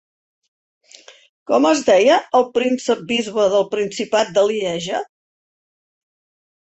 Com es deia el príncep-bisbe del principat de Lieja?